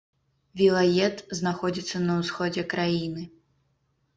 Вілает знаходзіцца на ўсходзе краіны.